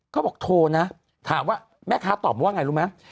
เขาบอกโทรนะถามว่าแม่ค้าตอบว่าไงรู้ไหม